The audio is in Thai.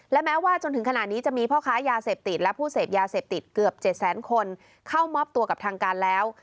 และแม้ว่าจนถึงขณะนี้จะมีพ่อค้ายาเสพติดและผู้เสพยาเสพติดเกือบ๗แสนคนเข้ามอบตัวกับทางการแล้ว